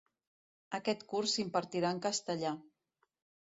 Aquest curs s'impartirà en castellà.